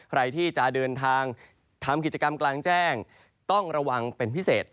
ใครที่จะเดินทางทำกิจกรรมกลางแจ้งต้องระวังเป็นพิเศษ